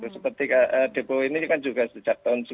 seperti depo ini juga sejak tahun seribu sembilan ratus tujuh puluh empat ya